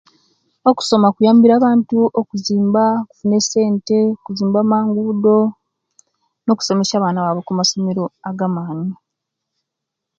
Okusoma kuyambire abantu okuzimba ne'ssente, okuzimba amanguudo, no'kusomesya abaana baawe kumasomero agamaani.